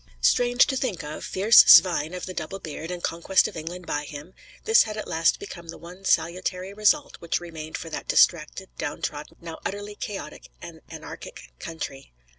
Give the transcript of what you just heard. Strange to think of, fierce Svein of the Double beard, and conquest of England by him; this had at last become the one salutary result which remained for that distracted, down trodden, now utterly chaotic and anarchic country.